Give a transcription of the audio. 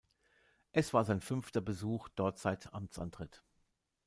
Es war sein fünfter Besuch dort seit Amtsantritt.